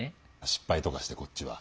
失敗とかしてこっちは。